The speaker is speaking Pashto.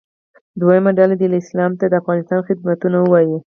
دویمه ډله دې اسلام ته د افغانستان خدمتونه ووایي.